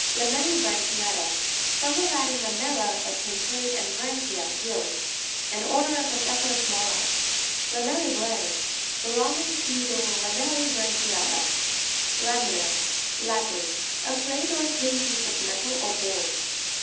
LAME' LLIBRA'NCHIATA — From the Latin, lamella, a thin plate, and branchia, gills. An order of aceph alous mollusks. Lame''Liiprancu.—Belonging to the lame 'llibra'nchiata. La'm1na.—Latin. A plate, or thin piece of metal or bone.